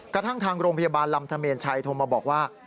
ทางโรงพยาบาลลำธเมนชัยโทรมาบอกว่า